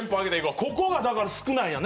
ここが少ないんやね。